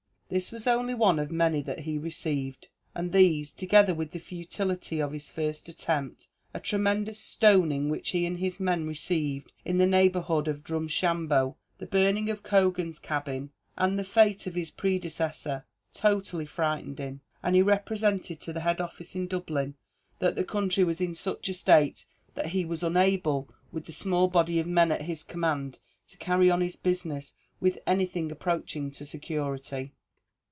This was only one of many that he received and these, together with the futility of his first attempt a tremendous stoning which he and his men received in the neighbourhood of Drumshambo the burning of Cogan's cabin, and the fate of his predecessor, totally frightened him; and he represented to the head office in Dublin that the country was in such a state, that he was unable, with the small body of men at his command, to carry on his business with anything approaching to security.